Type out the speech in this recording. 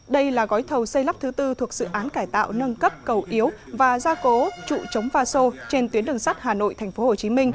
đây là gói thầu xây lắp thứ tư thuộc dự án cải tạo nâng cấp cầu yếu và gia cố trụ chống pha sô trên tuyến đường sắt hà nội tp hcm